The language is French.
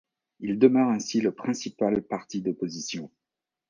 Il demeure ainsi le principal parti d'opposition.